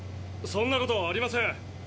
そんなことありません。